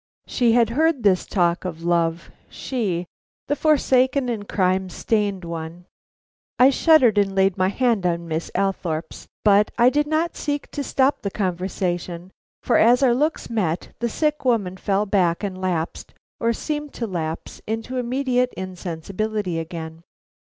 She had heard this talk of love, she, the forsaken and crime stained one. I shuddered and laid my hand on Miss Althorpe's. But I did not seek to stop the conversation, for as our looks met, the sick woman fell back and lapsed, or seemed to lapse, into immediate insensibility again.